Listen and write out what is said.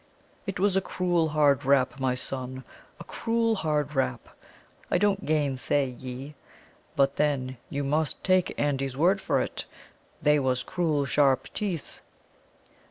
"It was a cruel hard rap, my son a cruel hard rap, I don't gainsay ye; but, then, you must take Andy's word for it, they was cruel sharp teeth."